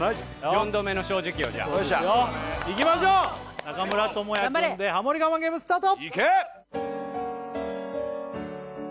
４度目の正直をじゃあいきましょう中村倫也君でハモリ我慢ゲームスタート！